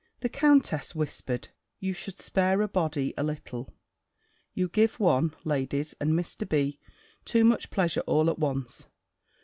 The countess whispered, "You should spare a body a little! You give one, ladies, and Mr. B., too much pleasure all at once.